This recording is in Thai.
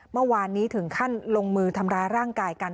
เมื่อวานนี้ถึงขั้นลงมือทำร้ายร่างกายกัน